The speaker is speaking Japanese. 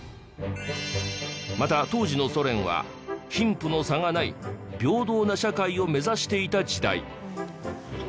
また当時のソ連は貧富の差がない平等な社会を目指していた時代。